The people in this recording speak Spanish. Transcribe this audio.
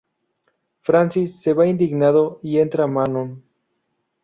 Francis se va indignado y entra Manon.